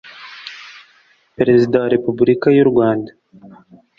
Perezida wa repubulika y u rwanda